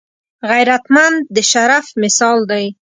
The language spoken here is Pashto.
غیرتمند د شرف مثال دی